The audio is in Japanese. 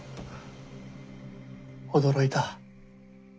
驚いた。